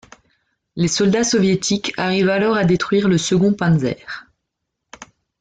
Les soldats soviétiques arrivent alors à détruire le second Panzer.